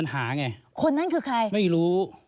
ยังไงคะ